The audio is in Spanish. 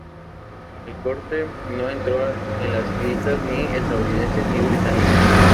El corte no entró en las listas ni estadounidenses ni británicas.